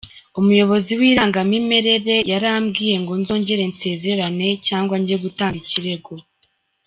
Umuyobozi w’irangamimerere yarambwiye ngo nzongere nsezerane cyangwa njye gutanga ikirego.